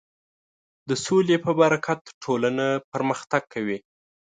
د سولې په برکت ټولنه پرمختګ کوي.